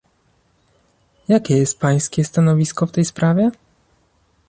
Jakie jest pańskie stanowisko w tej sprawie?